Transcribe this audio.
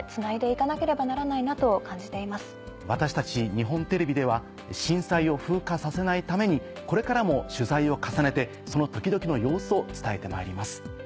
日本テレビでは震災を風化させないためにこれからも取材を重ねてその時々の様子を伝えてまいります。